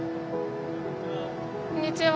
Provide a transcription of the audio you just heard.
こんにちは。